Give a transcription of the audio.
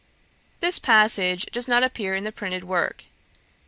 This passage does not appear in the printed work.